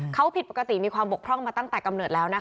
เขาผิดปกติมีความบกพร่องมาตั้งแต่กำเนิดแล้วนะคะ